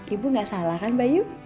ibu gak salah kan bayu